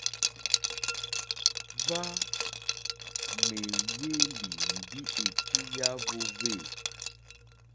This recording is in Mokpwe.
Hwá ŋwèyélì ndí èkí yá hwōhwê.